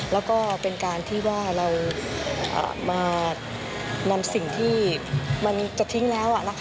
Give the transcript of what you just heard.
แล้วก็เป็นการที่ว่าเรามานำสิ่งที่มันจะทิ้งแล้ว